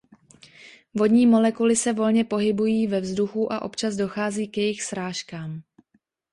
Vodní molekuly se volně pohybují ve vzduchu a občas dochází k jejich srážkám.